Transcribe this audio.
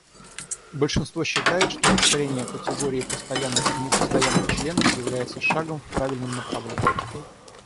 Большинство считает, что расширение категории постоянных и непостоянных членов является шагом в правильном направлении.